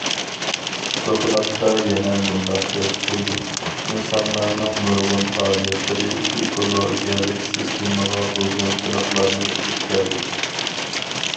دوكلاتتا يەنە مۇنداق كۆرسىتىلدى: ئىنسانلارنىڭ نۇرغۇن پائالىيەتلىرى ئېكولوگىيەلىك سىستېمىغا بۇزغۇنچىلىقلارنى ئېلىپ كەلدى.